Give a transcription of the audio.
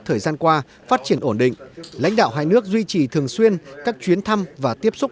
thời gian qua phát triển ổn định lãnh đạo hai nước duy trì thường xuyên các chuyến thăm và tiếp xúc